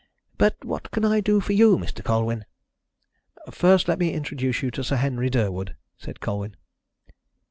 But what can I do for you, Mr. Colwyn?" "First let me introduce to you Sir Henry Durwood," said Colwyn.